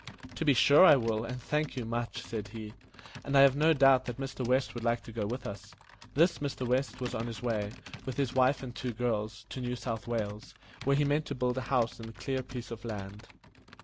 "To be sure I will, and thank you much," said he; "and I have no doubt that Mr. West would like to go with us." This Mr. West was on his way, with his wife and two girls, to New South Wales, where he meant to build a house and clear a piece of land.